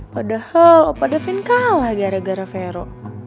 padahal opa davin kalah gara gara vero